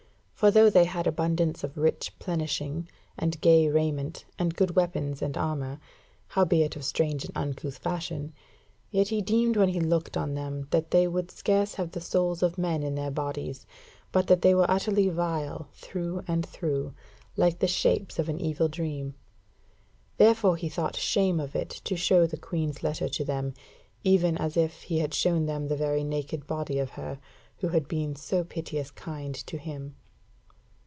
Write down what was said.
For though they had abundance of rich plenishing, and gay raiment, and good weapons and armour, howbeit of strange and uncouth fashion, yet he deemed when he looked on them that they would scarce have the souls of men in their bodies, but that they were utterly vile through and through, like the shapes of an evil dream. Therefore he thought shame of it to show the Queen's letter to them, even as if he had shown them the very naked body of her, who had been so piteous kind to him.